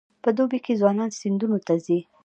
په دوبي کې ځوانان سیندونو ته ځي.